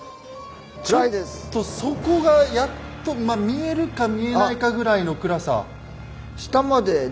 ちょっと底がやっとまあ見えるか見えないかぐらいの暗さ。